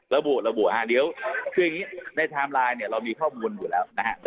ระบุระบุฮะเดี๋ยวคืออย่างนี้ในไทม์ไลน์เนี่ยเรามีข้อมูลอยู่แล้วนะฮะ